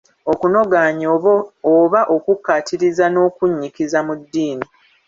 Okunogaanya oba okukkaatiriza n'okunnyikiza mu ddiini.